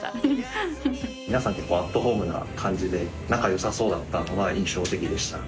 皆さん結構アットホームな感じで仲良さそうだったのが印象的でした。